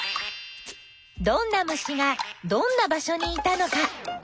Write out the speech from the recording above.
どんな虫がどんな場所にいたのか。